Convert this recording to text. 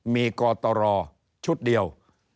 มีกตรชุดเดียว